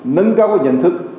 nâng cao nhận thức